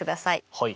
はい。